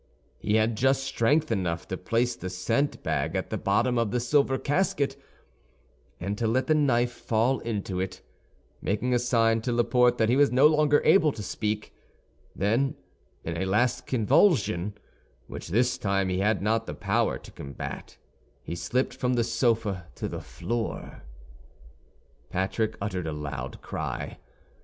He had just strength enough to place the scent bag at the bottom of the silver casket, and to let the knife fall into it, making a sign to Laporte that he was no longer able to speak; then, in a last convulsion, which this time he had not the power to combat, he slipped from the sofa to the floor. Patrick uttered a loud cry.